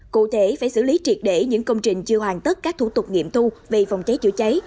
cụ thể phải xử lý triệt để những công trình chưa hoàn tất các thủ tục nghiệm thu về phòng cháy chữa cháy